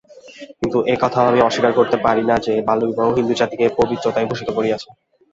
কিন্তু এ-কথাও আমি অস্বীকার করিতে পারি না যে, বাল্যবিবাহ হিন্দুজাতিকে পবিত্রতায় ভূষিত করিয়াছে।